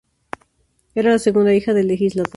Era la segunda hija del legislador.